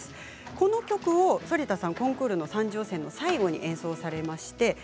この曲を反田さん、コンクールの三次予選の最後に演奏されました。